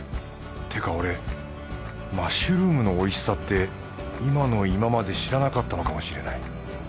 ってか俺マッシュルームのおいしさって今の今まで知らなかったのかもしれない。